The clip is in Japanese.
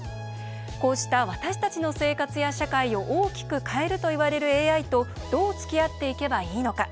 こうした私たちの生活や社会を大きく変えるといわれるＡＩとどう、つきあっていけばいいのか。